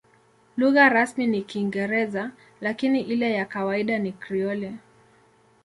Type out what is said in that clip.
Lugha rasmi ni Kiingereza, lakini ile ya kawaida ni Krioli.